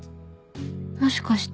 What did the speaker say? もしかして